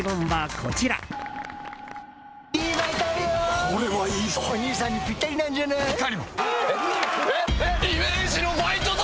これはいいぞ。